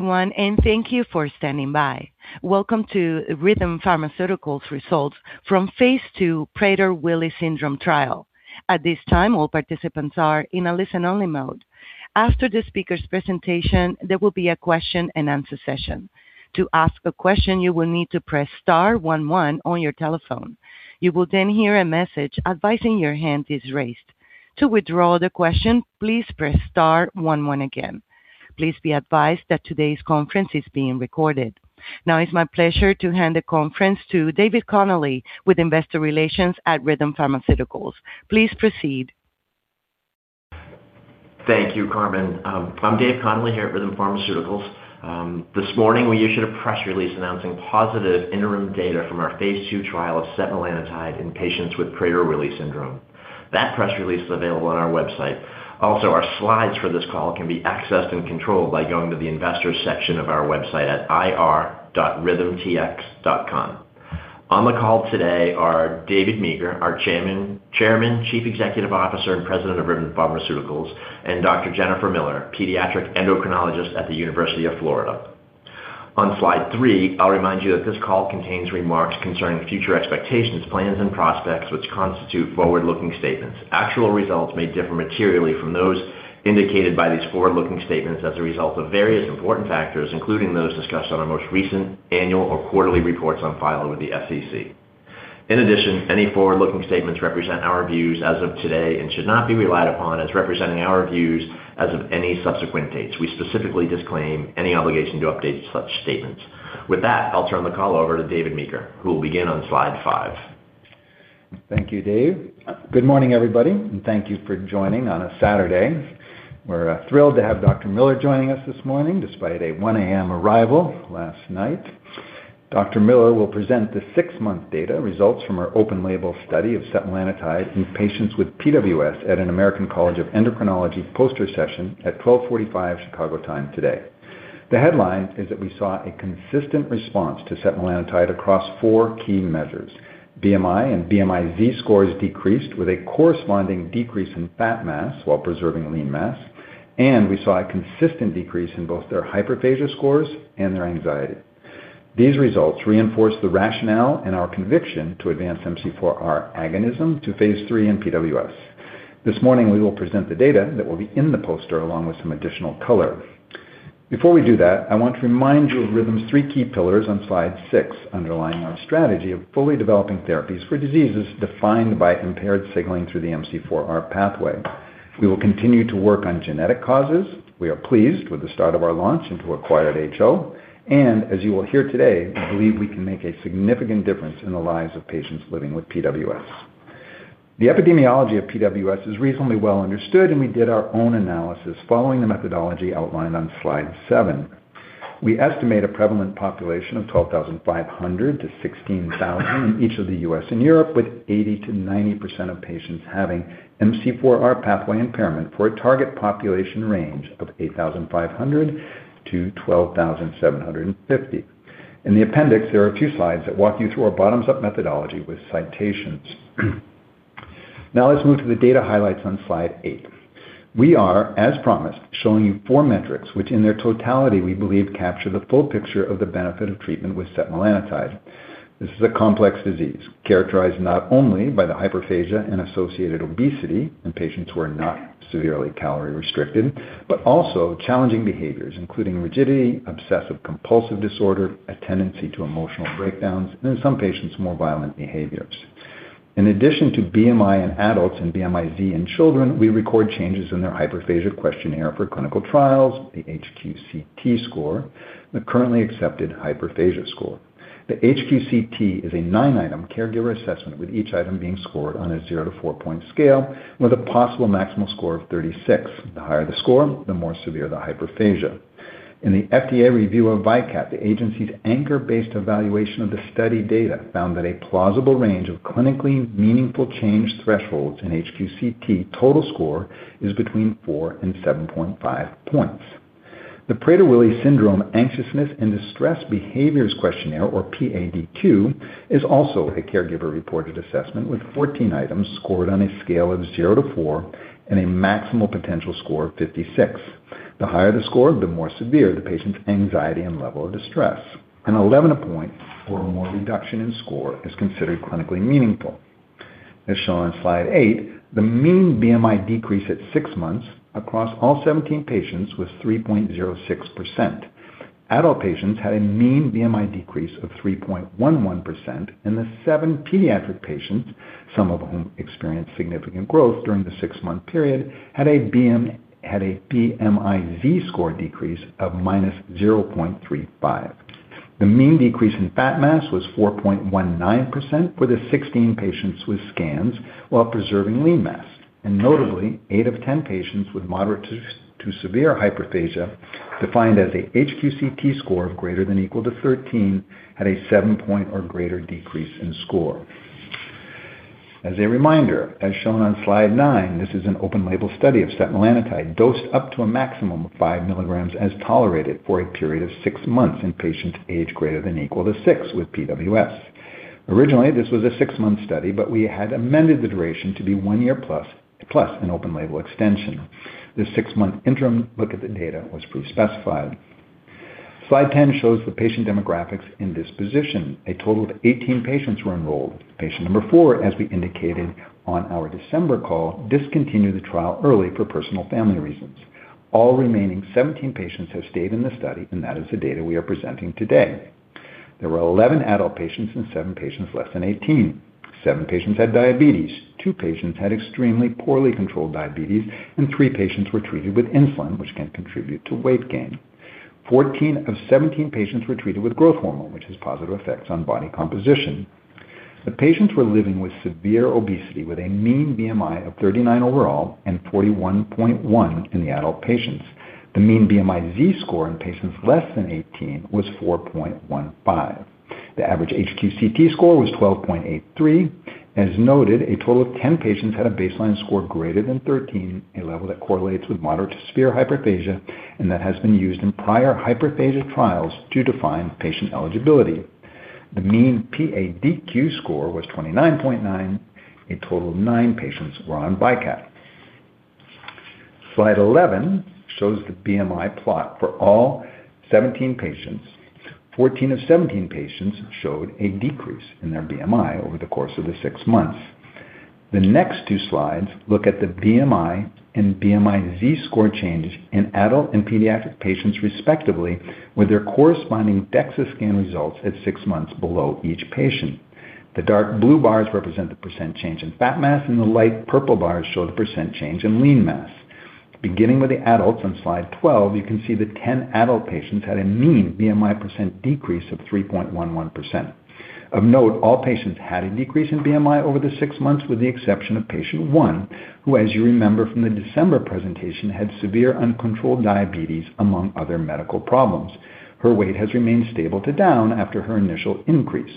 Thank you for standing by. Welcome to Rhythm Pharmaceuticals results from phase II Prader-Willi Syndrome Trial. At this time, all participants are in a listen-only mode. After the speaker's presentation, there will be a question-and-answer session. To ask a question, you will need to press star one one on your telephone. You will then hear a message advising your hand is raised. To withdraw the question, please press star one one again. Please be advised that today's conference is being recorded. Now it's my pleasure to hand the conference to David Connolly with Investor Relations at Rhythm Pharmaceuticals. Please proceed. Thank you, Carmen. I'm Dave Connolly here at Rhythm Pharmaceuticals. This morning, we issued a press release announcing positive interim data from our phase II trial of setmelanotide in patients with Prader-Willi syndrome. That press release is available on our website. Our slides for this call can be accessed and controlled by going to the investors section of our website at ir.rhythmtx.com. On the call today are David Meeker, our Chairman, Chief Executive Officer, and President of Rhythm Pharmaceuticals, and Dr. Jennifer Miller, pediatric endocrinologist at the University of Florida. On slide three, I'll remind you that this call contains remarks concerning future expectations, plans, and prospects, which constitute forward-looking statements. Actual results may differ materially from those indicated by these forward-looking statements as a result of various important factors, including those discussed on our most recent annual or quarterly reports on file with the SEC. Any forward-looking statements represent our views as of today and should not be relied upon as representing our views as of any subsequent dates. We specifically disclaim any obligation to update such statements. With that, I'll turn the call over to David Meeker, who will begin on slide five. Thank you, Dave. Good morning, everybody. Thank you for joining on a Saturday. We're thrilled to have Dr. Miller joining us this morning, despite a 1:00 A.M. arrival last night. Dr. Miller will present the six-month data results from our open label study of setmelanotide in patients with PWS at an American College of Endocrinology poster session at 12:45 P.M. Chicago time today. The headline is that we saw a consistent response to setmelanotide across four key measures. BMI and BMI z-scores decreased with a corresponding decrease in fat mass while preserving lean mass, and we saw a consistent decrease in both their hyperphagia scores and their anxiety. These results reinforce the rationale and our conviction to advance MC4R agonism to phase III in PWS. This morning, we will present the data that will be in the poster, along with some additional color. Before we do that, I want to remind you of Rhythm's three key pillars on slide six, underlying our strategy of fully developing therapies for diseases defined by impaired signaling through the MC4R pathway. We will continue to work on genetic causes. We are pleased with the start of our launch into acquired HO, and as you will hear today, we believe we can make a significant difference in the lives of patients living with PWS. The epidemiology of PWS is reasonably well understood, and we did our own analysis following the methodology outlined on slide seven. We estimate a prevalent population of 12,500 to 16,000 in each of the U.S. and Europe, with 80%-90% of patients having MC4R pathway impairment for a target population range of 8,500-12,750. In the appendix, there are two slides that walk you through our bottoms-up methodology with citations. Now let's move to the data highlights on slide eight. We are, as promised, showing you four metrics which in their totality, we believe capture the full picture of the benefit of treatment with setmelanotide. This is a complex disease characterized not only by the hyperphagia and associated obesity in patients who are not severely calorie restricted, but also challenging behaviors including rigidity, obsessive compulsive disorder, a tendency to emotional breakdowns, and in some patients, more violent behaviors. In addition to BMI in adults and BMI-Z in children, we record changes in their hyperphagia questionnaire for clinical trials, the HQCT score, the currently accepted hyperphagia score. The HQCT is a nine-item caregiver assessment, with each item being scored on a zero to four-point scale with a possible maximal score of 36. The higher the score, the more severe the hyperphagia. In the FDA review of VYKAT, the agency's anchor-based evaluation of the study data found that a plausible range of clinically meaningful change thresholds in HQCT total score is between four and 7.5 points. The Prader-Willi Syndrome Anxiousness and Distress Behaviors Questionnaire, or PADQ, is also a caregiver-reported assessment, with 14 items scored on a scale of zero to four and a maximal potential score of 56. The higher the score, the more severe the patient's anxiety and level of distress. An 11-point or more reduction in score is considered clinically meaningful. As shown on slide eight, the mean BMI decrease at six months across all 17 patients was 3.06%. Adult patients had a mean BMI decrease of 3.11%, and the seven pediatric patients, some of whom experienced significant growth during the six-month period, had a BMI-Z score decrease of -0.35. The mean decrease in fat mass was 4.19% for the 16 patients with scans while preserving lean mass. Notably, eight of 10 patients with moderate to severe hyperphagia, defined as a HQCT score of greater than or equal to 13, had a seven-point or greater decrease in score. As a reminder, as shown on slide nine, this is an open label study of setmelanotide dosed up to a maximum of five milligrams as tolerated for a period of six months in patients age greater than or equal to six with PWS. Originally, this was a six-month study, but we had amended the duration to be one year plus an open label extension. This six-month interim look at the data was pre-specified. Slide 10 shows the patient demographics in this position. A total of 18 patients were enrolled. Patient number four, as we indicated on our December call, discontinued the trial early for personal family reasons. All remaining 17 patients have stayed in the study, and that is the data we are presenting today. There were 11 adult patients and seven patients less than 18. Seven patients had diabetes. Two patients had extremely poorly controlled diabetes, and three patients were treated with insulin, which can contribute to weight gain. 14 of 17 patients were treated with growth hormone, which has positive effects on body composition. The patients were living with severe obesity, with a mean BMI of 39 overall and 41.1 in the adult patients. The mean BMI z-score in patients less than 18 was 4.15. The average HQCT score was 12.83. As noted, a total of 10 patients had a baseline score greater than 13, a level that correlates with moderate to severe hyperphagia and that has been used in prior hyperphagia trials to define patient eligibility. The mean PADQ score was 29.9. A total of nine patients were on BiPAP. Slide 11 shows the BMI plot for all 17 patients. 14 of 17 patients showed a decrease in their BMI over the course of the six months. The next two slides look at the BMI and BMI z-score changes in adult and pediatric patients respectively, with their corresponding DEXA scan results at six months below each patient. The dark blue bars represent the % change in fat mass, and the light purple bars show the % change in lean mass. Beginning with the adults on slide 12, you can see that 10 adult patients had a mean BMI % decrease of 3.11%. Of note, all patients had a decrease in BMI over the six months, with the exception of patient one, who, as you remember from the December presentation, had severe uncontrolled diabetes, among other medical problems. Her weight has remained stable to down after her initial increase.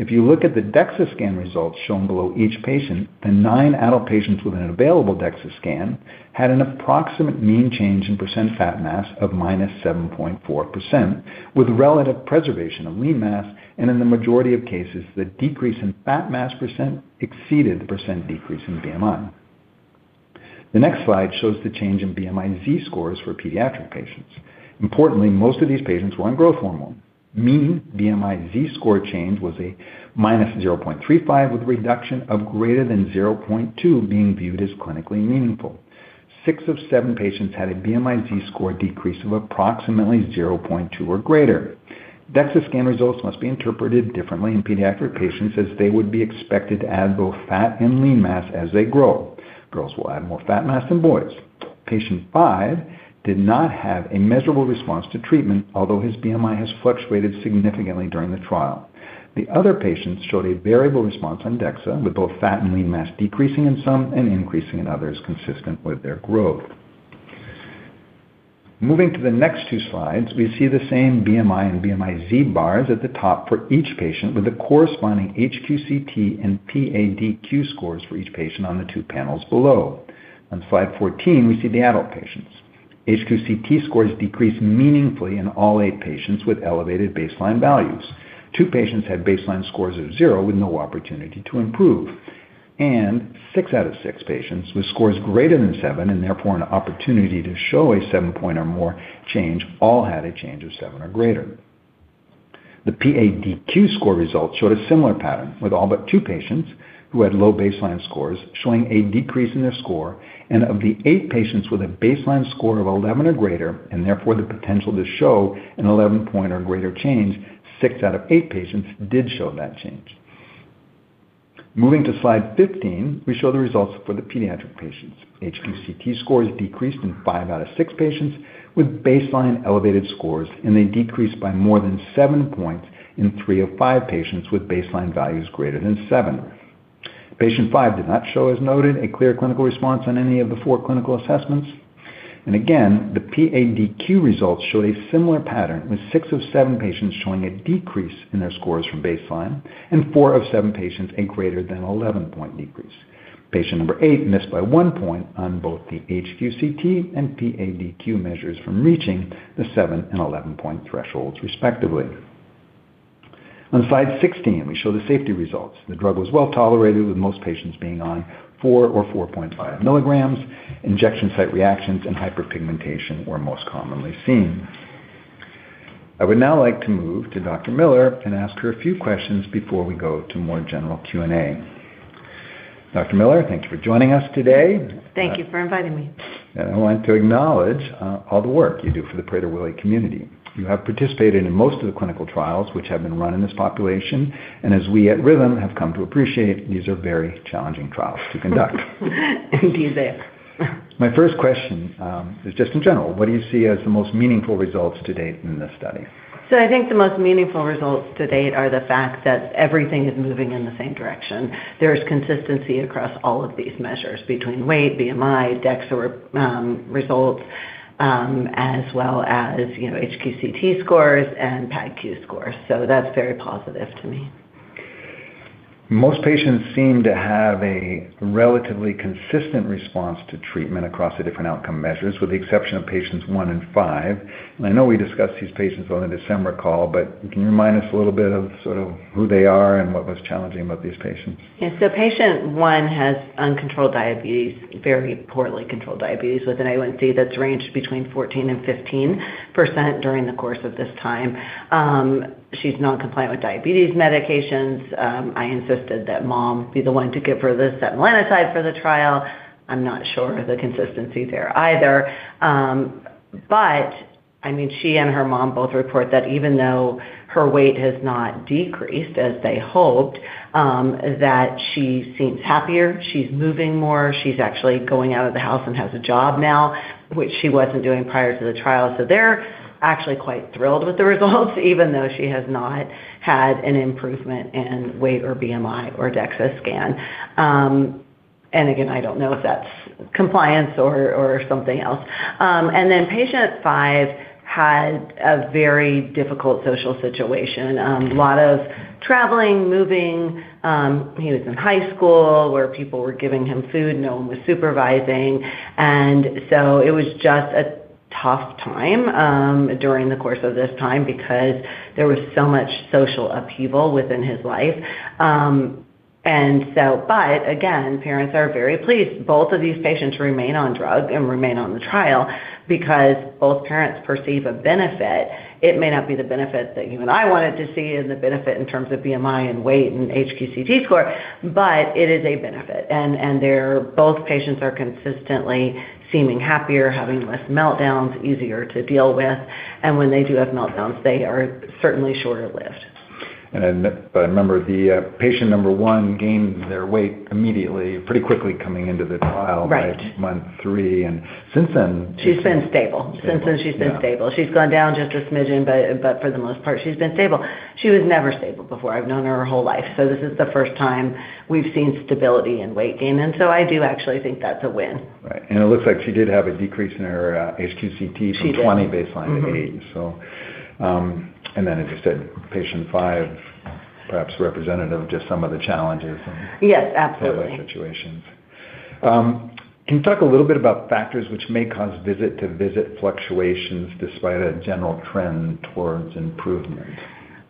If you look at the DEXA scan results shown below each patient, the nine adult patients with an available DEXA scan had an approximate mean change in % fat mass of -7.4%, with relative preservation of lean mass, and in the majority of cases, the decrease in fat mass % exceeded the % decrease in BMI. The next slide shows the change in BMI z-scores for pediatric patients. Importantly, most of these patients were on growth hormone. Mean BMI z-score change was a -0.35, with a reduction of greater than 0.2 being viewed as clinically meaningful. Six of seven patients had a BMI z-score decrease of approximately 0.2 or greater. DEXA scan results must be interpreted differently in pediatric patients, as they would be expected to add both fat and lean mass as they grow. Girls will add more fat mass than boys. Patient five did not have a measurable response to treatment, although his BMI has fluctuated significantly during the trial. The other patients showed a variable response on DEXA, with both fat and lean mass decreasing in some and increasing in others consistent with their growth. Moving to the next two slides, we see the same BMI and BMI z bars at the top for each patient, with the corresponding HQCT and PADQ scores for each patient on the two panels below. On slide 14, we see the adult patients. HQCT scores decreased meaningfully in all eight patients with elevated baseline values. Two patients had baseline scores of zero, with no opportunity to improve. Six out of six patients with scores greater than seven, and therefore an opportunity to show a seven-point or more change, all had a change of seven or greater. The PADQ score results showed a similar pattern, with all but two patients who had low baseline scores showing a decrease in their score, and of the eight patients with a baseline score of 11 or greater, and therefore the potential to show an 11-point or greater change, six out of eight patients did show that change. Moving to slide 15, we show the results for the pediatric patients. HQCT scores decreased in five out of six patients with baseline elevated scores, and they decreased by more than seven points in three of five patients with baseline values greater than seven. Patient five did not show, as noted, a clear clinical response on any of the four clinical assessments. Again, the PADQ results show a similar pattern, with six of seven patients showing a decrease in their scores from baseline and four of seven patients a greater than 11-point decrease. Patient number eight missed by one point on both the HQCT and PADQ measures from reaching the seven and 11-point thresholds, respectively. On slide 16, we show the safety results. The drug was well-tolerated, with most patients being on four or 4.5 milligrams. Injection site reactions and hyperpigmentation were most commonly seen. I would now like to move to Dr. Miller and ask her a few questions before we go to more general Q&A. Dr. Miller, thank you for joining us today. Thank you for inviting me. I want to acknowledge all the work you do for the Prader-Willi community. You have participated in most of the clinical trials which have been run in this population, and as we at Rhythm have come to appreciate, these are very challenging trials to conduct. Indeed, they are. My first question is just in general, what do you see as the most meaningful results to date in this study? I think the most meaningful results to date are the fact that everything is moving in the same direction. There is consistency across all of these measures between weight, BMI, DEXA results, as well as HQCT scores and PADQ scores. That's very positive to me. Most patients seem to have a relatively consistent response to treatment across the different outcome measures, with the exception of patients one and five. I know we discussed these patients on the December call, but can you remind us a little bit of sort of who they are and what was challenging about these patients? Yeah. Patient 1 has uncontrolled diabetes, very poorly controlled diabetes with an A1C that's ranged between 14%-15% during the course of this time. She's non-compliant with diabetes medications. I insisted that mom be the one to give her the setmelanotide for the trial. I'm not sure of the consistency there either. She and her mom both report that even though her weight has not decreased as they hoped, that she seems happier. She's moving more. She's actually going out of the house and has a job now, which she wasn't doing prior to the trial. They're actually quite thrilled with the results, even though she has not had an improvement in weight or BMI or DEXA scan. Again, I don't know if that's compliance or something else. Then patient 5 had a very difficult social situation. A lot of traveling, moving. He was in high school where people were giving him food. No one was supervising. It was just a tough time during the course of this time because there was so much social upheaval within his life. Again, parents are very pleased. Both of these patients remain on drug and remain on the trial because both parents perceive a benefit. It may not be the benefit that you and I wanted to see, and the benefit in terms of BMI and weight and HQCT score, but it is a benefit. Both patients are consistently seeming happier, having less meltdowns, easier to deal with. When they do have meltdowns, they are certainly shorter-lived. I remember the patient number 1 gained their weight immediately, pretty quickly coming into the trial. Right by month three. She's been stable. Since then she's been stable. Yeah. She's gone down just a smidgen, for the most part, she's been stable. She was never stable before. I've known her her whole life, this is the first time we've seen stability in weight gain, I do actually think that's a win. Right. It looks like she did have a decrease in her HQCT. She did. from 20 baseline to eight. Then, as you said, patient five, perhaps representative of just some of the challenges and. Yes, absolutely. other situations. Can you talk a little bit about factors which may cause visit-to-visit fluctuations despite a general trend towards improvement?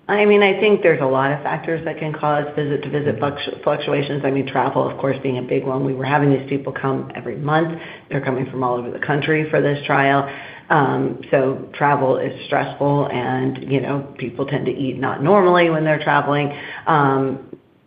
I think there's a lot of factors that can cause visit-to-visit fluctuations. Travel, of course, being a big one. We were having these people come every month. They're coming from all over the country for this trial. Travel is stressful and people tend to eat not normally when they're traveling.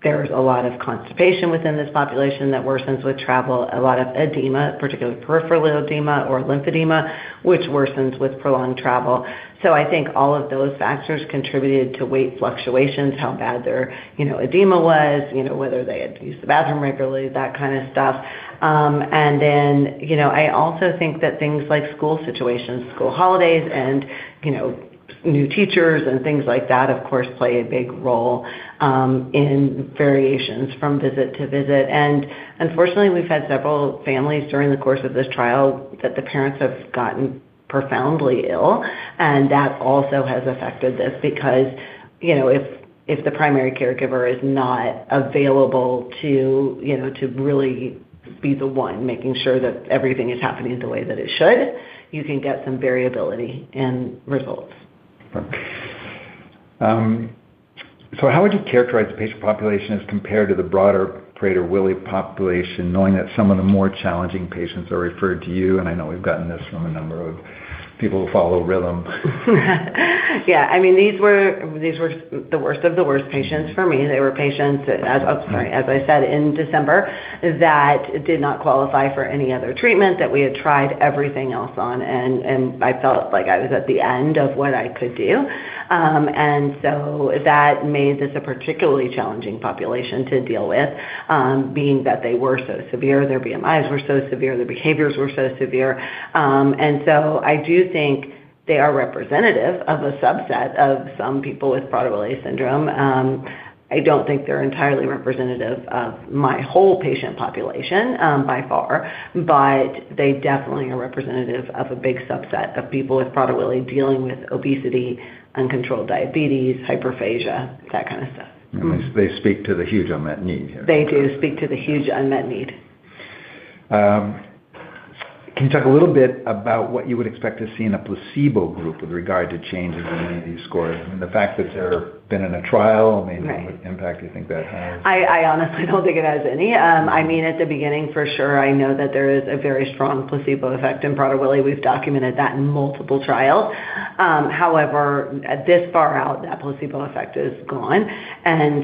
There's a lot of constipation within this population that worsens with travel. A lot of edema, particularly peripheral edema or lymphedema, which worsens with prolonged travel. I think all of those factors contributed to weight fluctuations, how bad their edema was, whether they had to use the bathroom regularly, that kind of stuff. I also think that things like school situations, school holidays, and new teachers, and things like that, of course, play a big role in variations from visit to visit. Unfortunately, we've had several families during the course of this trial that the parents have gotten profoundly ill, and that also has affected this because, if the primary caregiver is not available to really be the one making sure that everything is happening the way that it should, you can get some variability in results. Okay. How would you characterize the patient population as compared to the broader Prader-Willi population, knowing that some of the more challenging patients are referred to you? I know we've gotten this from a number of people who follow Rhythm. Yeah. These were the worst of the worst patients for me. They were patients, as I said in December, that did not qualify for any other treatment, that we had tried everything else on, and I felt like I was at the end of what I could do. That made this a particularly challenging population to deal with, being that they were so severe, their BMIs were so severe, their behaviors were so severe. I do think they are representative of a subset of some people with Prader-Willi syndrome. I don't think they're entirely representative of my whole patient population, by far, but they definitely are representative of a big subset of people with Prader-Willi dealing with obesity, uncontrolled diabetes, hyperphagia, that kind of stuff. They speak to the huge unmet need here. They do speak to the huge unmet need. Can you talk a little bit about what you would expect to see in a placebo group with regard to changes in any of these scores? I mean, the fact that they've been in a trial, what impact do you think that has? I honestly don't think it has any. At the beginning for sure, I know that there is a very strong placebo effect in Prader-Willi. We've documented that in multiple trials. However, this far out, that placebo effect is gone.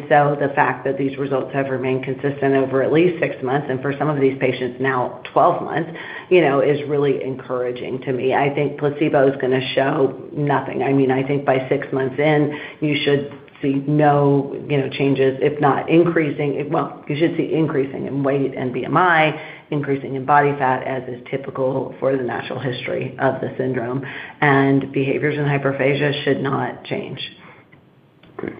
The fact that these results have remained consistent over at least six months, and for some of these patients now 12 months, is really encouraging to me. I think placebo's going to show nothing. I think by six months in, you should see no changes if not increasing. Well, you should see increasing in weight and BMI, increasing in body fat as is typical for the natural history of the syndrome, and behaviors in hyperphagia should not change. Great.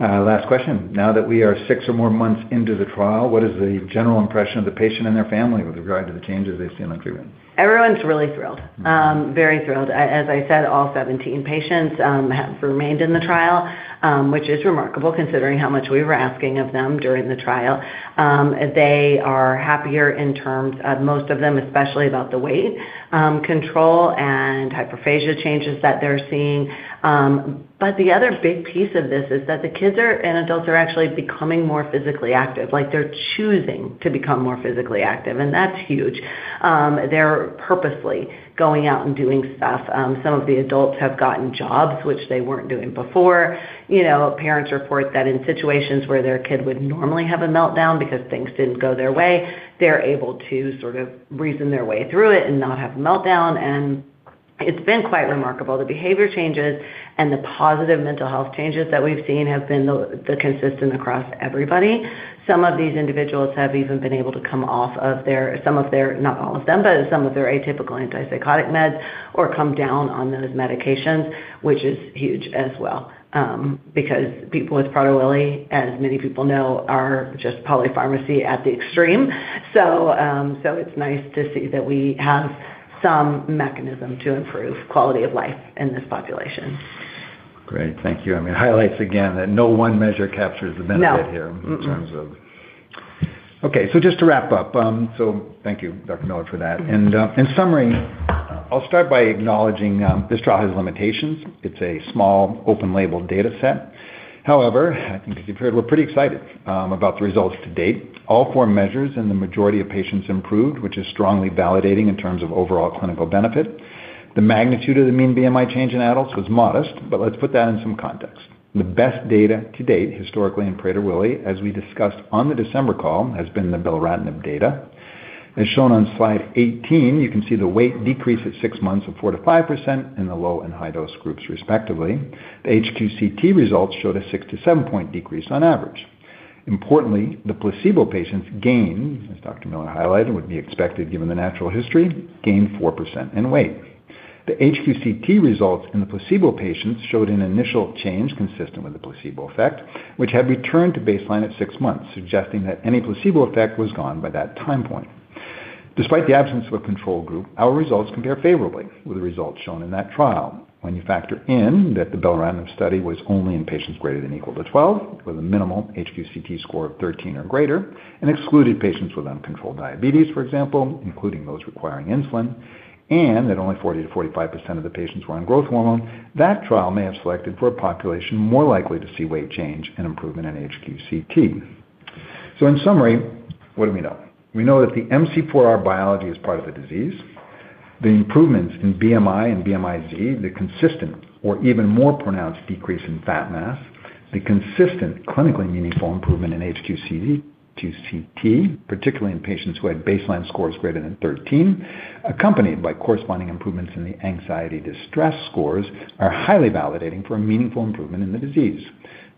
Last question. Now that we are six or more months into the trial, what is the general impression of the patient and their family with regard to the changes they've seen on treatment? Everyone's really thrilled. Very thrilled. As I said, all 17 patients have remained in the trial, which is remarkable considering how much we were asking of them during the trial. They are happier in terms of, most of them, especially about the weight control and hyperphagia changes that they're seeing. The other big piece of this is that the kids and adults are actually becoming more physically active. They're choosing to become more physically active, and that's huge. They're purposely going out and doing stuff. Some of the adults have gotten jobs, which they weren't doing before. Parents report that in situations where their kid would normally have a meltdown because things didn't go their way, they're able to sort of reason their way through it and not have a meltdown. It's been quite remarkable. The behavior changes and the positive mental health changes that we've seen have been consistent across everybody. Some of these individuals have even been able to come off of their, not all of them, but some of their atypical antipsychotic meds or come down on those medications, which is huge as well. People with Prader-Willi, as many people know, are just polypharmacy at the extreme. It's nice to see that we have some mechanism to improve quality of life in this population. Great. Thank you. I mean, it highlights again that no one measure captures the benefit. No. Okay, just to wrap up. Thank you, Dr. Miller, for that. In summary, I'll start by acknowledging this trial has limitations. It's a small open label data set. However, I think as you've heard, we're pretty excited about the results to date. All four measures in the majority of patients improved, which is strongly validating in terms of overall clinical benefit. The magnitude of the mean BMI change in adults was modest, but let's put that in some context. The best data to date historically in Prader-Willi, as we discussed on the December call, has been the beloranib data. As shown on slide 18, you can see the weight decrease at six months of 4%-5% in the low and high dose groups respectively. The HQCT results showed a six to seven-point decrease on average. Importantly, the placebo patients gained, as Dr. Miller highlighted, would be expected given the natural history, gained 4% in weight. The HQCT results in the placebo patients showed an initial change consistent with the placebo effect, which had returned to baseline at six months, suggesting that any placebo effect was gone by that time point. Despite the absence of a control group, our results compare favorably with the results shown in that trial. When you factor in that the beloranib study was only in patients greater than equal to 12, with a minimal HQCT score of 13 or greater, and excluded patients with uncontrolled diabetes, for example, including those requiring insulin, and that only 40%-45% of the patients were on growth hormone, that trial may have selected for a population more likely to see weight change and improvement in HQCT. In summary, what do we know? We know that the MC4R biology is part of the disease. The improvements in BMI and BMI-Z, the consistent or even more pronounced decrease in fat mass, the consistent clinically meaningful improvement in HQCT, particularly in patients who had baseline scores greater than 13, accompanied by corresponding improvements in the anxiety distress scores, are highly validating for a meaningful improvement in the disease.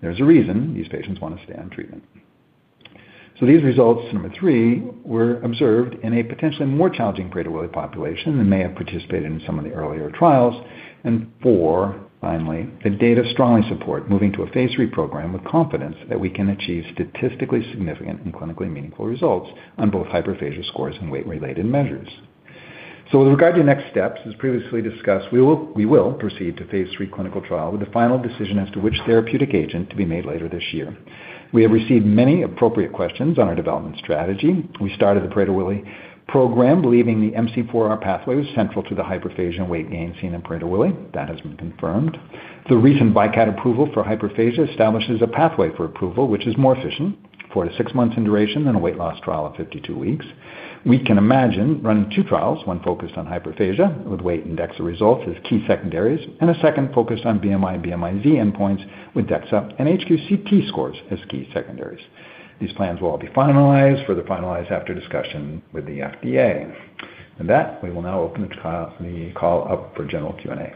There's a reason these patients want to stay on treatment. These results, number three, were observed in a potentially more challenging Prader-Willi population than may have participated in some of the earlier trials. Four, finally, the data strongly support moving to a phase III program with confidence that we can achieve statistically significant and clinically meaningful results on both hyperphagia scores and weight-related measures. With regard to next steps, as previously discussed, we will proceed to phase III clinical trial with a final decision as to which therapeutic agent to be made later this year. We have received many appropriate questions on our development strategy. We started the Prader-Willi program believing the MC4R pathway was central to the hyperphagia and weight gain seen in Prader-Willi. That has been confirmed. The recent VYKAT approval for hyperphagia establishes a pathway for approval, which is more efficient, four to six months in duration than a weight loss trial of 52 weeks. We can imagine running two trials, one focused on hyperphagia with weight and DEXA results as key secondaries, and a second focused on BMI and BMI-Z endpoints with DEXA and HQCT scores as key secondaries. These plans will all be finalized, further finalized after discussion with the FDA. On that, we will now open the call up for general Q&A.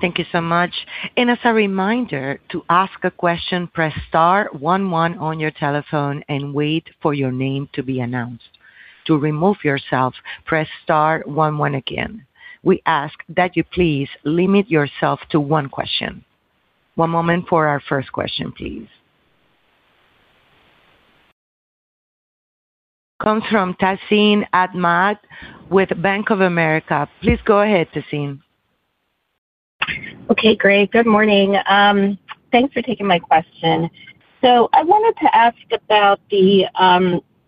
Thank you so much. As a reminder, to ask a question, press star one one on your telephone and wait for your name to be announced. To remove yourself, press star one one again. We ask that you please limit yourself to one question. One moment for our first question, please. Comes from Tazeen Ahmad with Bank of America. Please go ahead, Tazeen. Okay, great. Good morning. Thanks for taking my question. I wanted to ask about the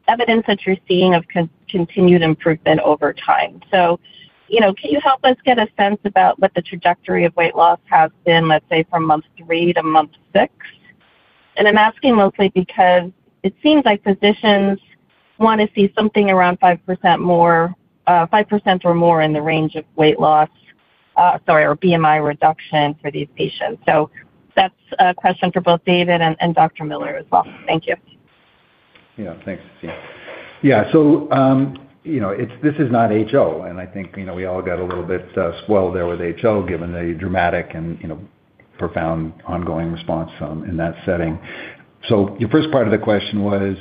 evidence that you're seeing of continued improvement over time. Can you help us get a sense about what the trajectory of weight loss has been, let's say from month 3 to month 6? I'm asking mostly because it seems like physicians want to see something around 5% or more in the range of weight loss, sorry, or BMI reduction for these patients. That's a question for both David and Dr. Miller as well. Thank you. Yeah, thanks, Tazeen. Yeah. This is not HO, and I think we all got a little bit swelled there with HO, given the dramatic and profound ongoing response in that setting. Your first part of the question was,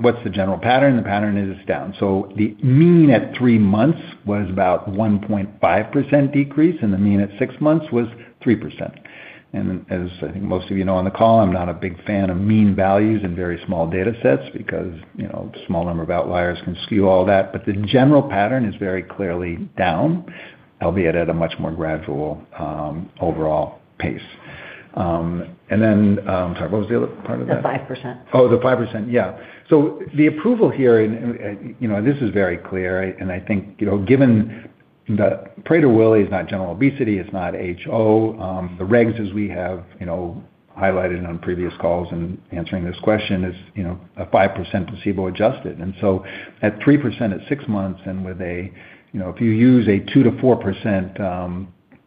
what's the general pattern? The pattern is down. The mean at 3 months was about 1.5% decrease, and the mean at 6 months was 3%. As I think most of you know on the call, I'm not a big fan of mean values in very small data sets because, small number of outliers can skew all that, but the general pattern is very clearly down, albeit at a much more gradual overall pace. Then, I'm sorry, what was the other part of that? The 5%. The approval hearing, this is very clear, and I think, given that Prader-Willi is not general obesity, it's not HO. The regs as we have highlighted on previous calls in answering this question is a 5% placebo-adjusted. At 3% at six months and if you use a 2%-4%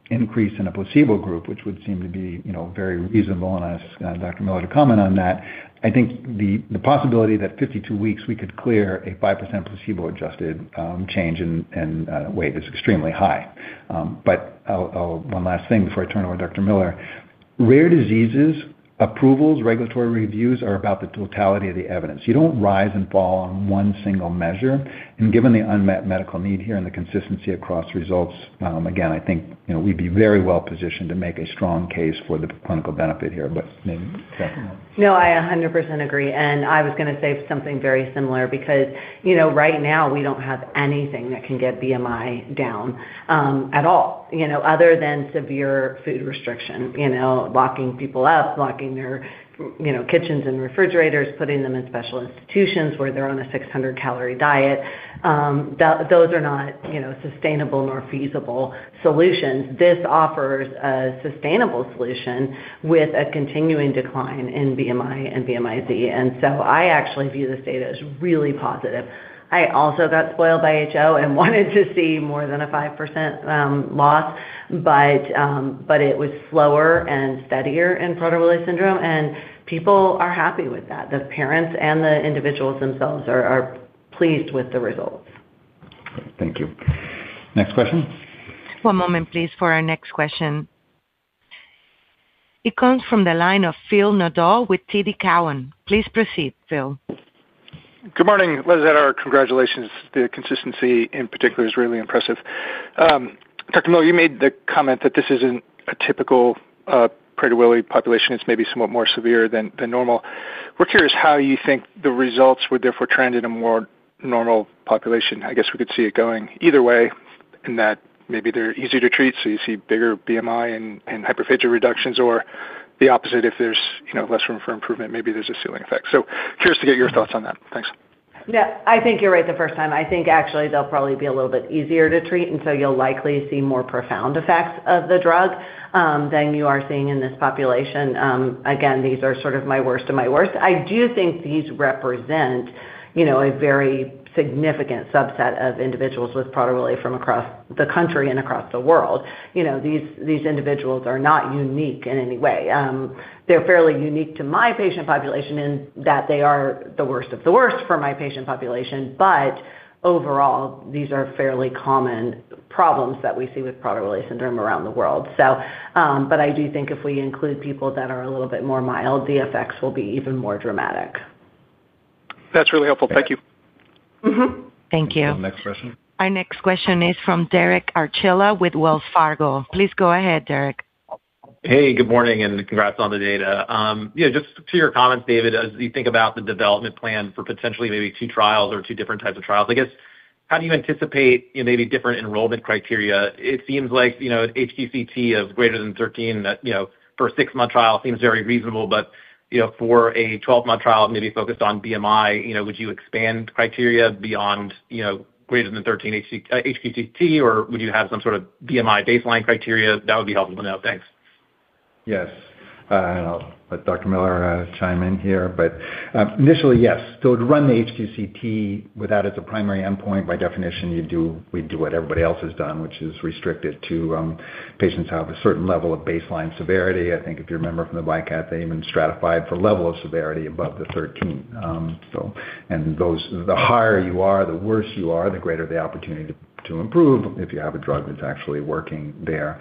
increase in a placebo group, which would seem to be very reasonable, and I'll ask Dr. Miller to comment on that, I think the possibility that 52 weeks we could clear a 5% placebo-adjusted change in weight is extremely high. One last thing before I turn it over to Dr. Miller. Rare diseases, approvals, regulatory reviews are about the totality of the evidence. You don't rise and fall on one single measure. Given the unmet medical need here and the consistency across results, again, I think we'd be very well-positioned to make a strong case for the clinical benefit here. Maybe, Dr. Miller. I 100% agree, and I was going to say something very similar because right now we don't have anything that can get BMI down at all. Other than severe food restriction, locking people up, locking their kitchens and refrigerators, putting them in special institutions where they're on a 600-calorie diet. Those are not sustainable nor feasible solutions. This offers a sustainable solution with a continuing decline in BMI and BMI-Z. I actually view this data as really positive. I also got spoiled by HO and wanted to see more than a 5% loss, but it was slower and steadier in Prader-Willi syndrome, and people are happy with that. The parents and the individuals themselves are pleased with the results. Thank you. Next question. One moment, please, for our next question. It comes from the line of Phil Nadeau with TD Cowen. Please proceed, Phil. Good morning, Liz and Ara. Congratulations. The consistency in particular is really impressive. Dr. Miller, you made the comment that this isn't a typical Prader-Willi population. It's maybe somewhat more severe than normal. We're curious how you think the results would therefore trend in a more normal population. I guess we could see it going either way in that maybe they're easier to treat, so you see bigger BMI and hyperphagia reductions. The opposite, if there's less room for improvement, maybe there's a ceiling effect. Curious to get your thoughts on that. Thanks. Yeah, I think you're right the first time. I think actually they'll probably be a little bit easier to treat, you'll likely see more profound effects of the drug than you are seeing in this population. Again, these are sort of my worst of my worst. I do think these represent a very significant subset of individuals with Prader-Willi from across the country and across the world. These individuals are not unique in any way. They're fairly unique to my patient population in that they are the worst of the worst for my patient population. Overall, these are fairly common problems that we see with Prader-Willi syndrome around the world. I do think if we include people that are a little bit more mild, the effects will be even more dramatic. That's really helpful. Thank you. Thank you. Next question. Our next question is from Derek Archila with Wells Fargo. Please go ahead, Derek. Hey, good morning, and congrats on the data. Yeah, just to your comments, David, as you think about the development plan for potentially maybe two trials or two different types of trials, I guess, how do you anticipate maybe different enrollment criteria? It seems like, HQCT of greater than 13 for a six-month trial seems very reasonable. But for a 12-month trial, maybe focused on BMI, would you expand criteria beyond greater than 13 HQCT, or would you have some sort of BMI baseline criteria? That would be helpful to know. Thanks. Yes. I'll let Dr. Miller chime in here. Initially, yes. To run the HQCT with that as a primary endpoint, by definition, we'd do what everybody else has done, which is restrict it to patients who have a certain level of baseline severity. I think if you remember from the VYKAT, they even stratified for level of severity above the 13. The higher you are, the worse you are, the greater the opportunity to improve if you have a drug that's actually working there.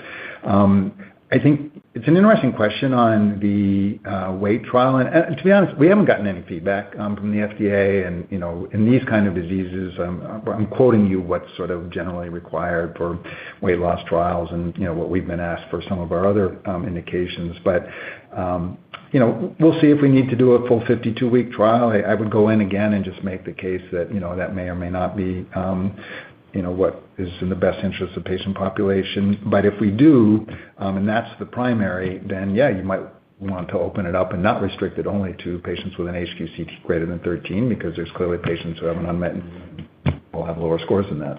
I think it's an interesting question on the weight trial. To be honest, we haven't gotten any feedback from the FDA and in these kind of diseases, I'm quoting you what's sort of generally required for weight loss trials and what we've been asked for some of our other indications. We'll see if we need to do a full 52-week trial. I would go in again and just make the case that may or may not be what is in the best interest of patient population. If we do, and that's the primary, then yeah, you might want to open it up and not restrict it only to patients with an HQCT greater than 13 because there's clearly patients who have an unmet need will have lower scores than that.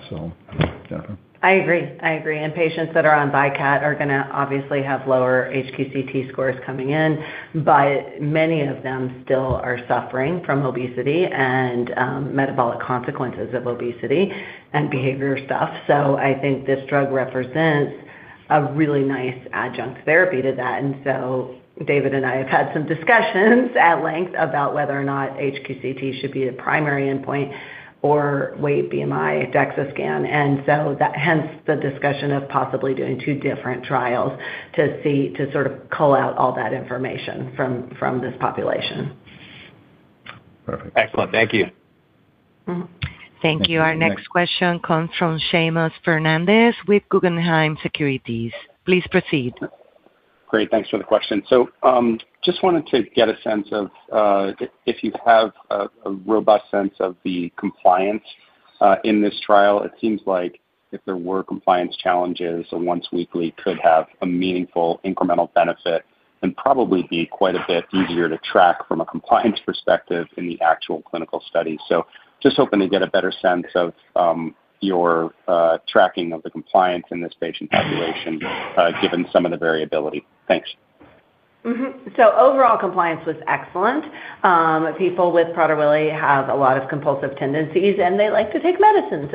Jennifer. I agree. I agree. Patients that are on BiCAT are going to obviously have lower HQCT scores coming in, but many of them still are suffering from obesity and metabolic consequences of obesity and behavior stuff. I think this drug represents a really nice adjunct therapy to that, and so David and I have had some discussions at length about whether or not HQCT should be a primary endpoint or weight BMI DEXA scan. Hence the discussion of possibly doing two different trials to sort of cull out all that information from this population. Excellent. Thank you. Thank you. Our next question comes from Seamus Fernandez with Guggenheim Securities. Please proceed. Great. Thanks for the question. Just wanted to get a sense of if you have a robust sense of the compliance in this trial. It seems like if there were compliance challenges, a once weekly could have a meaningful incremental benefit and probably be quite a bit easier to track from a compliance perspective in the actual clinical study. Just hoping to get a better sense of your tracking of the compliance in this patient population given some of the variability. Thanks. Overall compliance was excellent. People with Prader-Willi have a lot of compulsive tendencies, and they like to take medicines.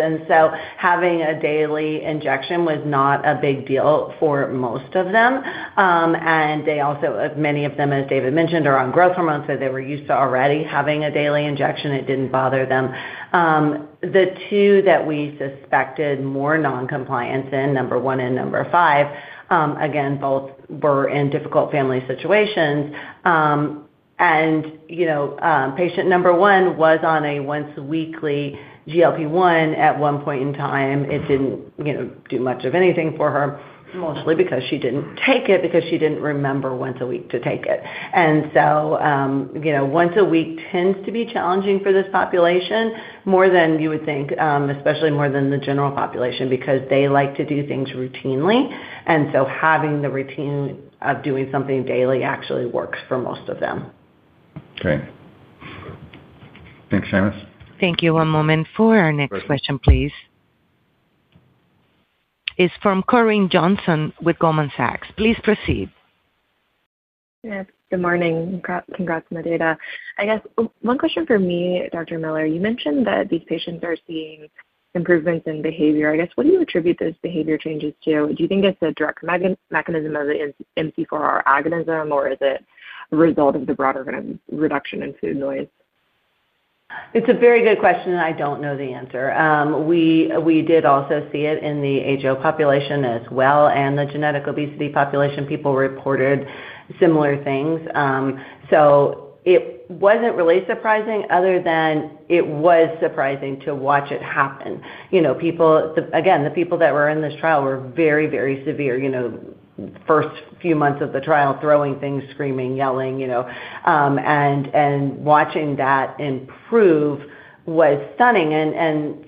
Having a daily injection was not a big deal for most of them. Many of them, as David mentioned, are on growth hormones, so they were used to already having a daily injection. It didn't bother them. The two that we suspected more non-compliance in, number one and number five, again, both were in difficult family situations. Patient number one was on a once weekly GLP-1 at one point in time. It didn't do much of anything for her, mostly because she didn't take it because she didn't remember once a week to take it. Once a week tends to be challenging for this population, more than you would think, especially more than the general population, because they like to do things routinely. having the routine of doing something daily actually works for most of them. Okay. Thanks, Seamus. Thank you. One moment for our next question, please. It's from Corinne Johnson with Goldman Sachs. Please proceed. Yes. Good morning. Congrats on the data. I guess one question from me, Dr. Miller, you mentioned that these patients are seeing improvements in behavior. I guess, what do you attribute those behavior changes to? Do you think it's a direct mechanism of the MC4R agonism, or is it a result of the broader reduction in food noise? It's a very good question, and I don't know the answer. We did also see it in the HO population as well, and the genetic obesity population. People reported similar things. It wasn't really surprising other than it was surprising to watch it happen. Again, the people that were in this trial were very, very severe. First few months of the trial, throwing things, screaming, yelling. Watching that improve was stunning.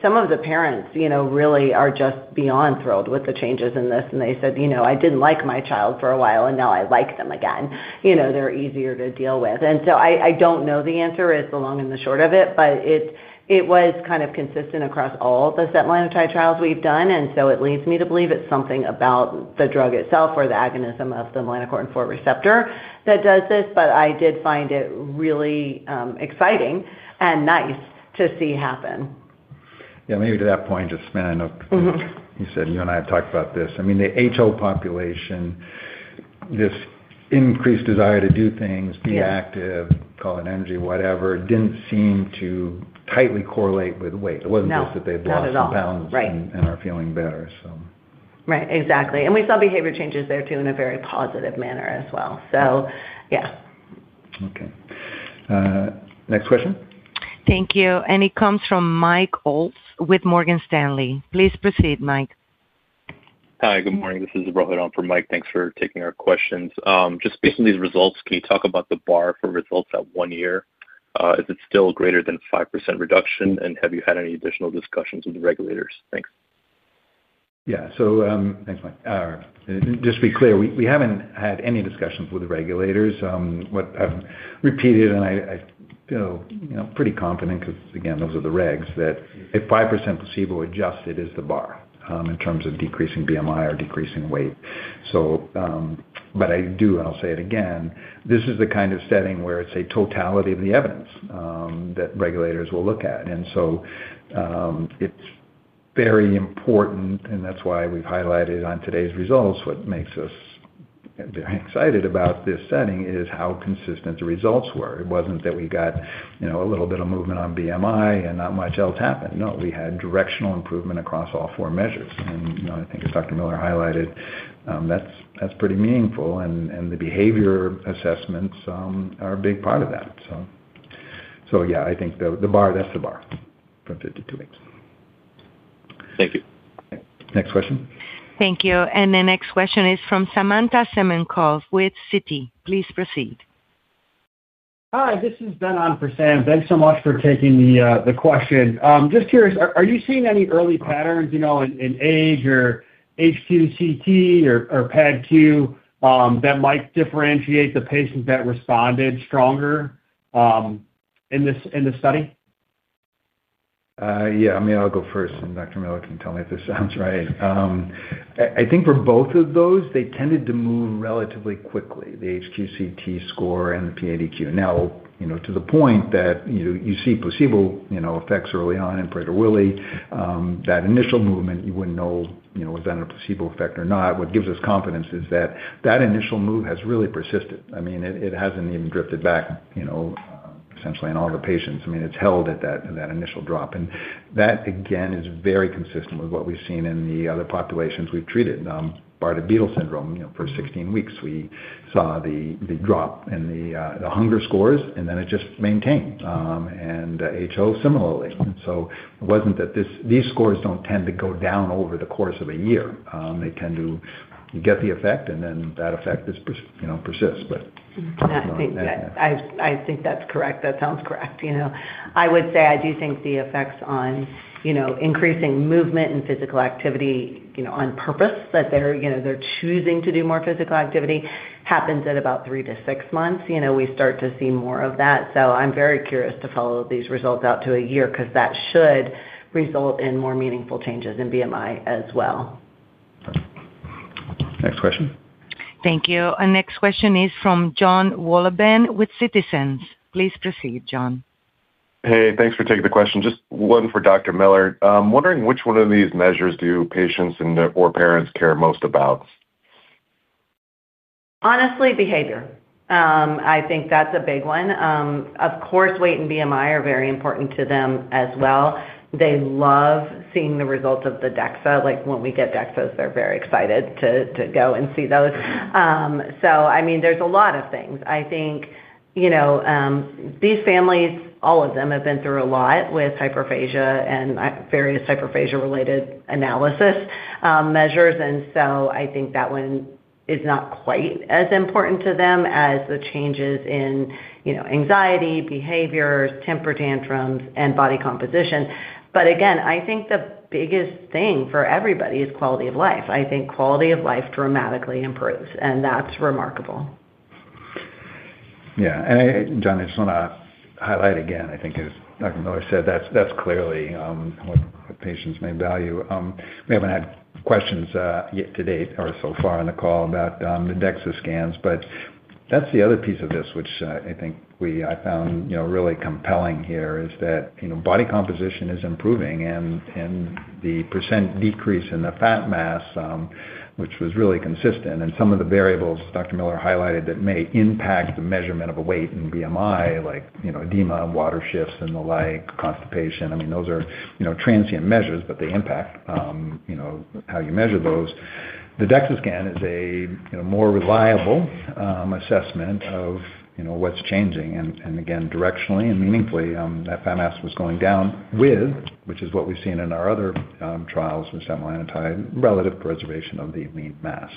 Some of the parents really are just beyond thrilled with the changes in this. They said, "I didn't like my child for a while, and now I like them again. They're easier to deal with." I don't know the answer is the long and the short of it, but it was kind of consistent across all the setmelanotide trials we've done. It leads me to believe it's something about the drug itself or the agonism of the melanocortin-4 receptor that does this. I did find it really exciting and nice to see happen. Yeah, maybe to that point, just spinning up. You said you and I have talked about this. I mean, the HO population, this increased desire to do things- Yeah be active, call it energy, whatever, didn't seem to tightly correlate with weight. No. It wasn't just that they've lost- Not at all some pounds- Right are feeling better, so. Right. Exactly. We saw behavior changes there too in a very positive manner as well. yeah. Okay. Next question? Thank you. It comes from Mike Holtz with Morgan Stanley. Please proceed, Mike. Hi, good morning. This is Mike. Thanks for taking our questions. Just based on these results, can you talk about the bar for results at one year? Is it still greater than 5% reduction? Have you had any additional discussions with the regulators? Thanks. Yeah. Thanks, Mike. Just to be clear, we haven't had any discussions with the regulators. What I've repeated, and I feel pretty confident because, again, those are the regs, that a 5% placebo adjusted is the bar in terms of decreasing BMI or decreasing weight. I do, and I'll say it again, this is the kind of setting where it's a totality of the evidence that regulators will look at. It's very important, and that's why we've highlighted on today's results what makes us very excited about this setting is how consistent the results were. It wasn't that we got a little bit of movement on BMI and not much else happened. No, we had directional improvement across all four measures. I think as Dr. Miller highlighted, that's pretty meaningful, and the behavior assessments are a big part of that. Yeah, I think that's the bar from 52 weeks. Thank you. Next question. Thank you. The next question is from Samantha Semenkow with Citi. Please proceed. Hi, this is Ben on for Sam. Thanks so much for taking the question. Just curious, are you seeing any early patterns in age or HQCT or PADQ that might differentiate the patients that responded stronger in the study? Yeah. I mean, I'll go first, and Dr. Miller can tell me if this sounds right. I think for both of those, they tended to move relatively quickly, the HQCT score and the PADQ. Now, to the point that you see placebo effects early on in Prader-Willi. That initial movement, you wouldn't know, was that a placebo effect or not? What gives us confidence is that that initial move has really persisted. I mean, it hasn't even drifted back. Essentially in all the patients. It's held at that initial drop. That, again, is very consistent with what we've seen in the other populations we've treated. Bardet-Biedl syndrome, for 16 weeks, we saw the drop in the hunger scores, and then it just maintained. HO similarly. It wasn't that these scores don't tend to go down over the course of a year. They tend to get the effect, and then that effect persists. I think that's correct. That sounds correct. I would say, I do think the effects on increasing movement and physical activity on purpose, that they're choosing to do more physical activity, happens at about three to six months. We start to see more of that. I'm very curious to follow these results out to a year because that should result in more meaningful changes in BMI as well. Next question. Thank you. Our next question is from Jon Wolleben with Citizens. Please proceed, Jon. Hey, thanks for taking the question. Just one for Dr. Miller. I'm wondering which one of these measures do patients or parents care most about? Honestly, behavior. I think that's a big one. Of course, weight and BMI are very important to them as well. They love seeing the results of the DEXA. When we get DEXAs, they're very excited to go and see those. So, there's a lot of things. I think these families, all of them, have been through a lot with hyperphagia and various hyperphagia-related analysis measures. And so I think that one is not quite as important to them as the changes in anxiety, behaviors, temper tantrums, and body composition. But again, I think the biggest thing for everybody is quality of life. I think quality of life dramatically improves, and that's remarkable. Jon, I just want to highlight again, I think as Dr. Miller said, that's clearly what patients may value. We haven't had questions yet to date or so far on the call about the DEXA scans, but that's the other piece of this which I think I found really compelling here, is that body composition is improving and the percent decrease in the fat mass, which was really consistent. Some of the variables Dr. Miller highlighted that may impact the measurement of a weight and BMI, like edema and water shifts and the like, constipation. Those are transient measures, but they impact how you measure those. The DEXA scan is a more reliable assessment of what's changing. Again, directionally and meaningfully, that fat mass was going down with, which is what we've seen in our other trials with setmelanotide, relative preservation of the lean mass.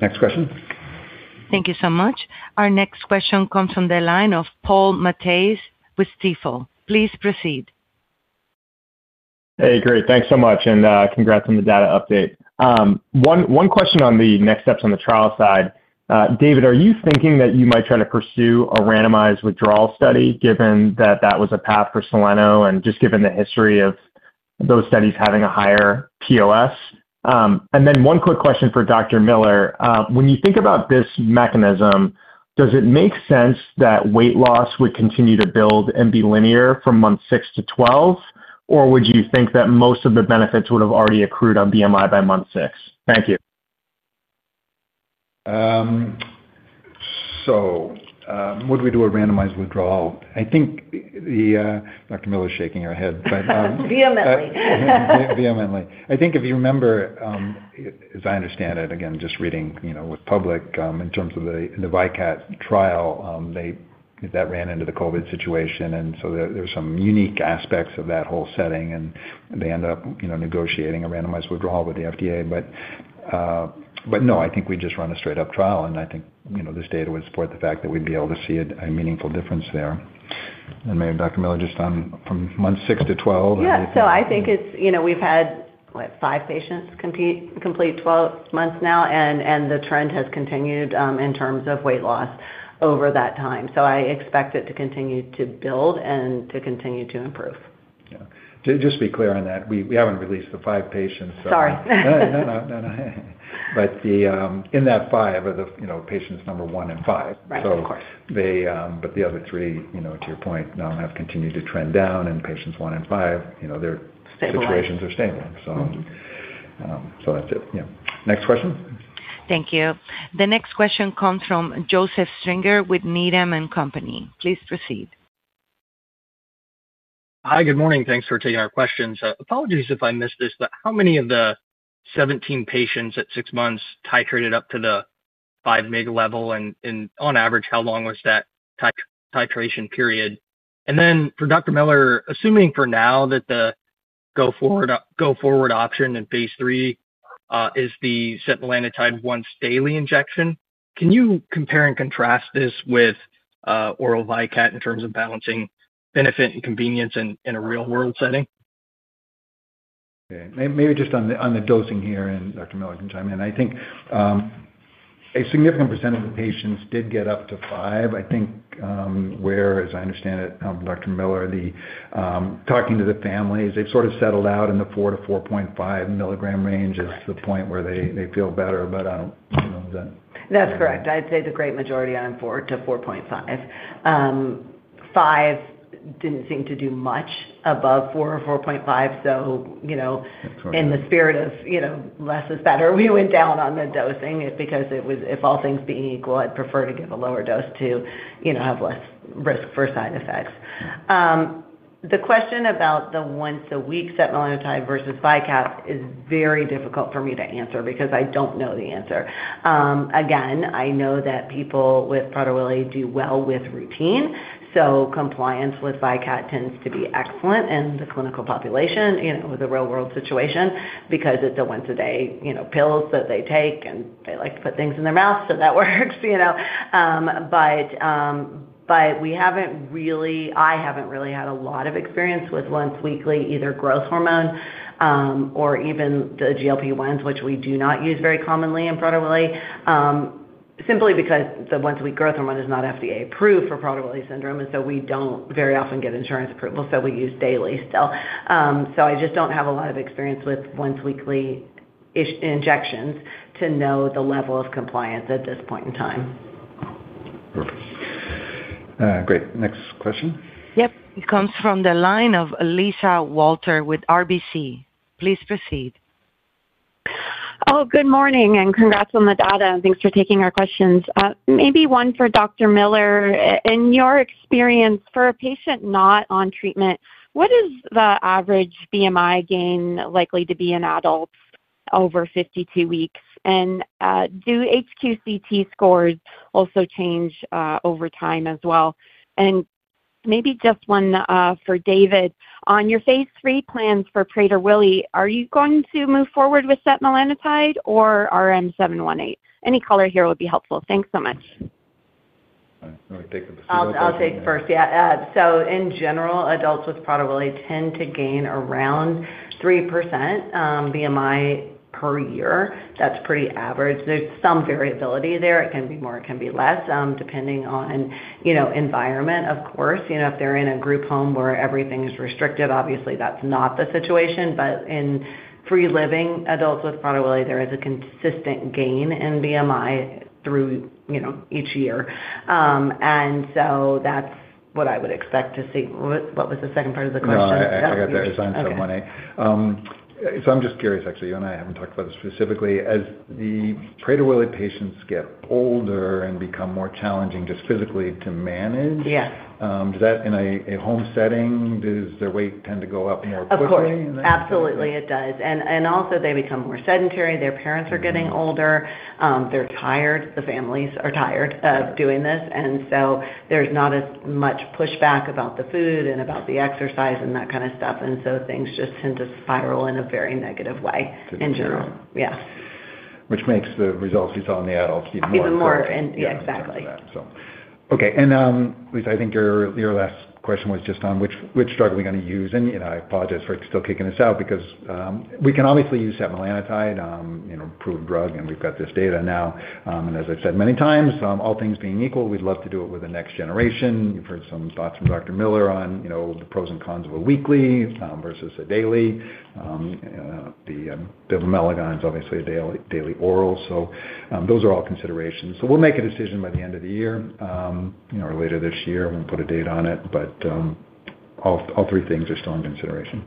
Next question. Thank you so much. Our next question comes from the line of Paul Matteis with Stifel. Please proceed. Hey, great. Thanks so much, and congrats on the data update. One question on the next steps on the trial side. David, are you thinking that you might try to pursue a randomized withdrawal study, given that that was a path for Soleno and just given the history of those studies having a higher POS? then one quick question for Dr. Miller. When you think about this mechanism, does it make sense that weight loss would continue to build and be linear from month six to 12? Or would you think that most of the benefits would have already accrued on BMI by month six? Thank you. would we do a randomized withdrawal? Dr. Miller's shaking her head. Vehemently. Vehemently. I think if you remember, as I understand it, again, just reading what's public, in terms of the VYKAT trial, that ran into the COVID situation. there's some unique aspects of that whole setting, and they ended up negotiating a randomized withdrawal with the FDA. no, I think we just run a straight-up trial, and I think this data would support the fact that we'd be able to see a meaningful difference there. maybe Dr. Miller, just on from month six to 12. Yeah. I think we've had five patients complete 12 months now, and the trend has continued in terms of weight loss over that time. I expect it to continue to build and to continue to improve. Yeah. To just be clear on that, we haven't released the five patients. Sorry. No. In that five are the patients number one and five. Right. Of course. the other three, to your point, now have continued to trend down, and patients one and five- Stable their situations are stable. That's it, yeah. Next question. Thank you. The next question comes from Joseph Stringer with Needham & Company. Please proceed. Hi, good morning. Thanks for taking our questions. Apologies if I missed this, but how many of the 17 patients at six months titrated up to the 5 mg level? on average, how long was that titration period? then for Dr. Miller, assuming for now that the go-forward option in phase III is the setmelanotide once daily injection, can you compare and contrast this with oral VYKAT in terms of balancing benefit and convenience in a real-world setting? Okay. Maybe just on the dosing here, and Dr. Miller can chime in. I think a significant % of the patients did get up to five. I think where, as I understand it, Dr. Miller, talking to the families, they've sort of settled out in the 4 to 4.5 milligram range- Correct as the point where they feel better. I don't know the- That's correct. I'd say the great majority on 4 to 4.5. Five didn't seem to do much above four or 4.5. in the spirit of less is better, we went down on the dosing because if all things being equal, I'd prefer to give a lower dose to have less risk for side effects. The question about the once a week setmelanotide versus VYKAT is very difficult for me to answer because I don't know the answer. Again, I know that people with Prader-Willi do well with routine, so compliance with VYKAT tends to be excellent in the clinical population, with a real world situation because it's a once a day pills that they take, and they like to put things in their mouth, so that works. I haven't really had a lot of experience with once weekly, either growth hormone, or even the GLP-1s, which we do not use very commonly in Prader-Willi. Simply because the once a week growth hormone is not FDA approved for Prader-Willi syndrome, and so we don't very often get insurance approval, so we use daily still. I just don't have a lot of experience with once weekly injections to know the level of compliance at this point in time. Perfect. Great. Next question? Yep. It comes from the line of Lisa Walter with RBC. Please proceed. Oh, good morning and congrats on the data, and thanks for taking our questions. Maybe one for Dr. Miller. In your experience, for a patient not on treatment, what is the average BMI gain likely to be in adults over 52 weeks? Do HQCT scores also change over time as well? Maybe just one for David. On your phase III plans for Prader-Willi, are you going to move forward with setmelanotide or RM 718? Any color here would be helpful. Thanks so much. You want me to take the first one? I'll take first. Yeah. In general, adults with Prader-Willi tend to gain around 3% BMI per year. That's pretty average. There's some variability there. It can be more, it can be less, depending on environment, of course. If they're in a group home where everything's restricted, obviously that's not the situation, but in free living adults with Prader-Willi, there is a consistent gain in BMI through each year. That's what I would expect to see. What was the second part of the question? No, I got that. RM 718. Okay. I'm just curious, actually, you and I haven't talked about this specifically. As the Prader-Willi patients get older and become more challenging just physically to manage- Yes does that in a home setting, does their weight tend to go up more quickly? Of course. Absolutely, it does. Also they become more sedentary. Their parents are getting older. They're tired. The families are tired of doing this. There's not as much pushback about the food and about the exercise and that kind of stuff. Things just tend to spiral in a very negative way in general. To the general. Yeah. Which makes the results you saw in the adults even more impressive. Even more. Yeah, exactly. In terms of that. okay. Lisa, I think your last question was just on which drug are we going to use? I apologize for still kicking this out because we can obviously use setmelanotide, approved drug, and we've got this data now. as I've said many times, all things being equal, we'd love to do it with the next generation. You've heard some thoughts from Dr. Miller on the pros and cons of a weekly versus a daily. The bivamelagon is obviously a daily oral. those are all considerations. we'll make a decision by the end of the year, or later this year. I won't put a date on it, but all three things are still in consideration.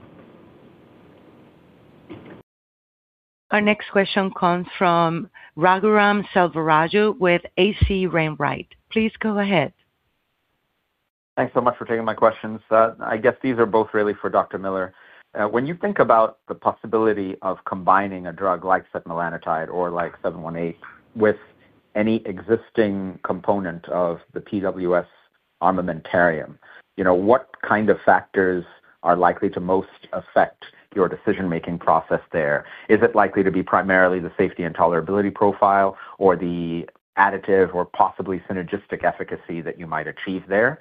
Our next question comes from Raghuram Selvaraju with H.C. Wainwright. Please go ahead. Thanks so much for taking my questions. I guess these are both really for Dr. Miller. When you think about the possibility of combining a drug like setmelanotide or like 718 with any existing component of the PWS armamentarium, what kind of factors are likely to most affect your decision-making process there? Is it likely to be primarily the safety and tolerability profile or the additive or possibly synergistic efficacy that you might achieve there?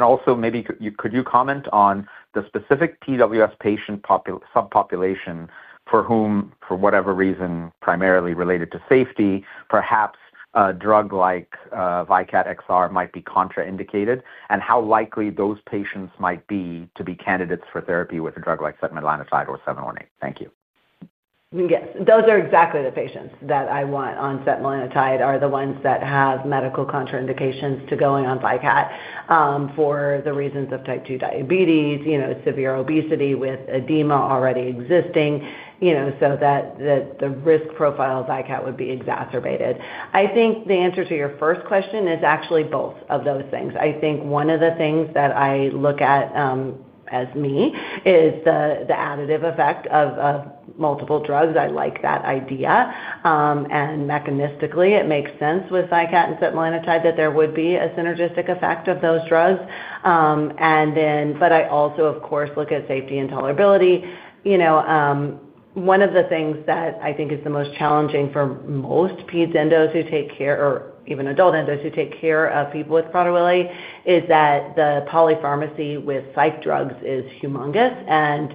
also maybe could you comment on the specific PWS patient subpopulation for whom, for whatever reason, primarily related to safety, perhaps a drug like VYKAT XR might be contraindicated, and how likely those patients might be to be candidates for therapy with a drug like setmelanotide or 718? Thank you. Yes. Those are exactly the patients that I want on setmelanotide, are the ones that have medical contraindications to going on VYKAT, for the reasons of type 2 diabetes, severe obesity with edema already existing, so that the risk profile of VYKAT would be exacerbated. I think the answer to your first question is actually both of those things. I think one of the things that I look at, as me, is the additive effect of multiple drugs. I like that idea. mechanistically, it makes sense with VYKAT and setmelanotide that there would be a synergistic effect of those drugs. I also, of course, look at safety and tolerability. One of the things that I think is the most challenging for most peds endos who take care or even adult endos who take care of people with Prader-Willi, is that the polypharmacy with psych drugs is humongous, and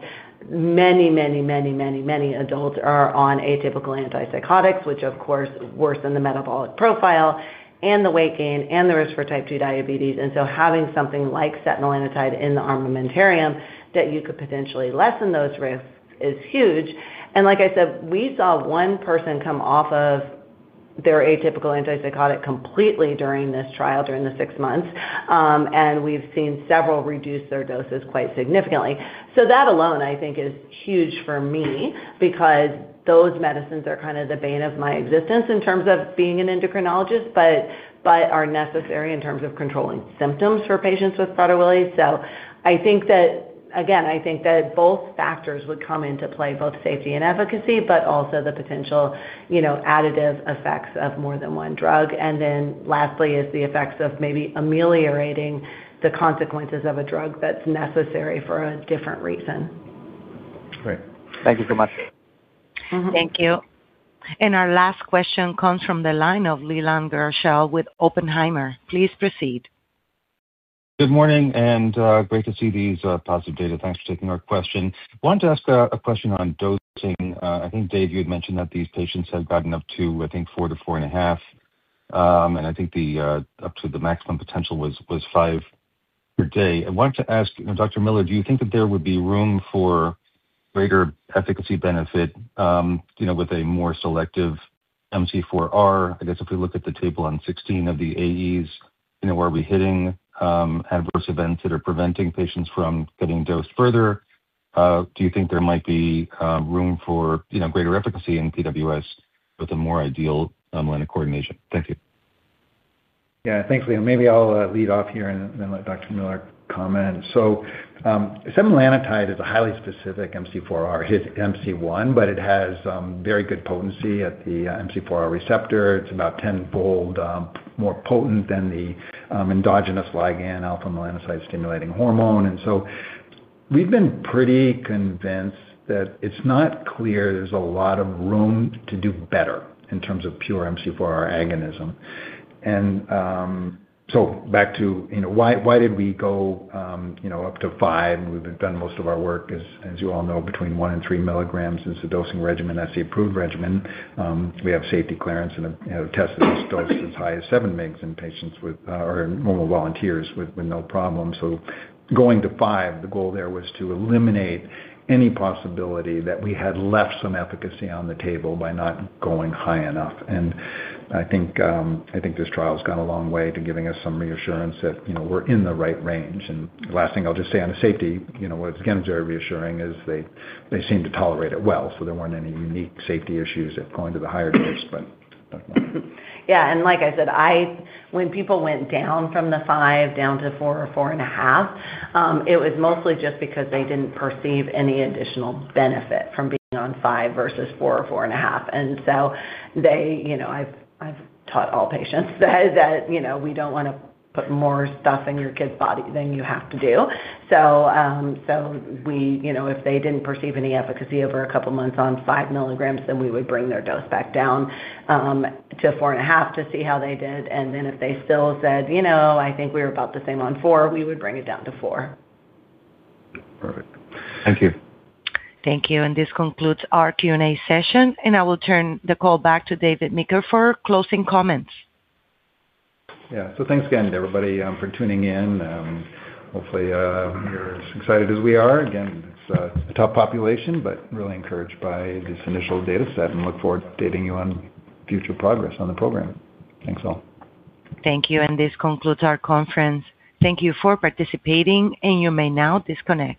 many, many, many, many, many adults are on atypical antipsychotics, which of course worsen the metabolic profile and the weight gain and the risk for type 2 diabetes. Having something like setmelanotide in the armamentarium that you could potentially lessen those risks is huge. Like I said, we saw one person come off of their atypical antipsychotic completely during this trial, during the six months. We've seen several reduce their doses quite significantly. That alone, I think, is huge for me because those medicines are kind of the bane of my existence in terms of being an endocrinologist, but are necessary in terms of controlling symptoms for patients with Prader-Willi. I think that, again, I think that both factors would come into play, both safety and efficacy, but also the potential additive effects of more than one drug. Lastly is the effects of maybe ameliorating the consequences of a drug that's necessary for a different reason. Great. Thank you so much. Thank you. Our last question comes from the line of Leland Gershell with Oppenheimer. Please proceed. Good morning, and great to see these positive data. Thanks for taking our question. Wanted to ask a question on dosing. I think, David, you had mentioned that these patients had gotten up to, I think, four to four and a half, and I think up to the maximum potential was five per day. I wanted to ask, Dr. Miller, do you think that there would be room for greater efficacy benefit with a more selective MC4R? I guess if we look at the table on 16 of the AEs, are we hitting adverse events that are preventing patients from getting dosed further? Do you think there might be room for greater efficacy in PWS with a more ideal melanocortin agent? Thank you. Yeah. Thanks, Leland. Maybe I'll lead off here and then let Dr. Miller comment. setmelanotide is a highly specific MC4R. It hits MC1, but it has very good potency at the MC4R receptor. It's about 10-fold more potent than the endogenous ligand alpha-melanocyte-stimulating hormone. we've been pretty convinced that it's not clear there's a lot of room to do better in terms of pure MC4R agonism. back to why did we go up to five, and we've done most of our work, as you all know, between one and three milligrams as the dosing regimen. That's the approved regimen. We have safety clearance and have tested this dose as high as seven mgs in patients with our normal volunteers with no problem. going to five, the goal there was to eliminate any possibility that we had left some efficacy on the table by not going high enough. I think this trial's gone a long way to giving us some reassurance that we're in the right range. the last thing I'll just say on the safety, what's again, very reassuring is they seem to tolerate it well, so there weren't any unique safety issues at going to the higher dose. But, Dr. Miller. Yeah. like I said, when people went down from the five down to four or four and a half, it was mostly just because they didn't perceive any additional benefit from being on five versus four or four and a half. I've taught all patients that we don't want to put more stuff in your kid's body than you have to do. if they didn't perceive any efficacy over a couple of months on five milligrams, then we would bring their dose back down to four and a half to see how they did. if they still said, "I think we were about the same on four," we would bring it down to four. Perfect. Thank you. Thank you. This concludes our Q&A session, and I will turn the call back to David Meeker for closing comments. Yeah. Thanks again to everybody for tuning in. Hopefully, you're as excited as we are. Again, it's a tough population, but really encouraged by this initial data set and look forward to updating you on future progress on the program. Thanks, all. Thank you, and this concludes our conference. Thank you for participating, and you may now disconnect.